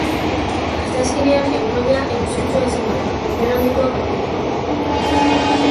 Asteazkenean eguraldia eguzkitsua izango da, bero handikoa gainera.